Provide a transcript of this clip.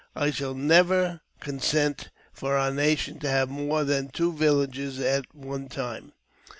I shall never consent for our nation to have more than two villages at one time.